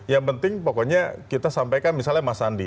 yang penting pokoknya kita sampaikan misalnya mas andi